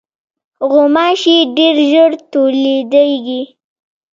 غوماشې ډېر ژر تولیدېږي.